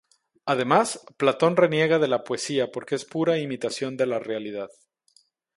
Además, Platón reniega de la poesía porque es pura imitación de la realidad.